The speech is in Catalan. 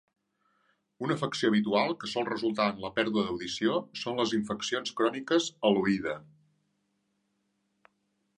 Una afecció habitual que sol resultar en la pèrdua d'audició són les infeccions cròniques a l'oïda.